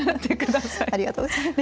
ありがとうございます。